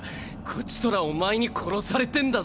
こちとらお前に殺されてんだぞ。